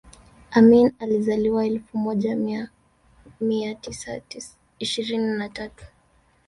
Amin alizaliwa elfu moja mia mia tisa ishirini na tatu